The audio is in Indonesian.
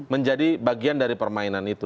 menjadi bagian dari permainan itu